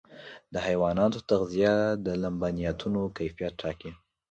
د حیواناتو تغذیه د لبنیاتو کیفیت ټاکي.